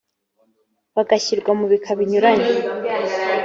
bigashyirwa mu bika binyuranye